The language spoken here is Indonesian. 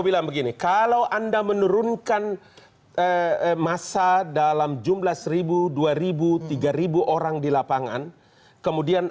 bilang begini kalau anda menurunkan masa dalam jumlah seribu dua ribu tiga ribu orang di lapangan kemudian